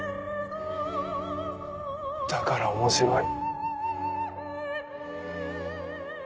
だから面白い。